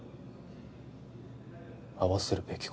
会わせるべきか？